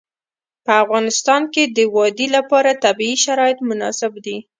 په افغانستان کې د وادي لپاره طبیعي شرایط مناسب دي.